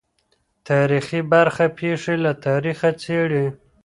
تاریخي برخه پېښې له تاریخه څېړي.